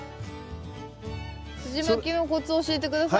すじまきのコツ教えて下さい。